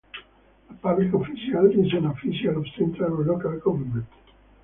A public official is an official of central or local government.